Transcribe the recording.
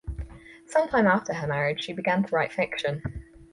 Some time after her marriage she began to write fiction.